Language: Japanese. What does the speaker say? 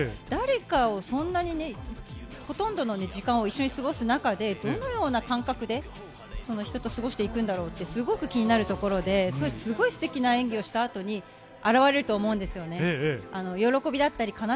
誰かをそんなにほとんどの時間を一緒に過ごす中でどのような感覚で人と過ごしていくんだろうって、すごく気になるところですごいステキな演技をした後に表れると思うんですよね。